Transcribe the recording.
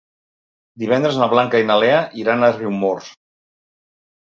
Divendres na Blanca i na Lea iran a Riumors.